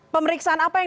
pemeriksaan apa yang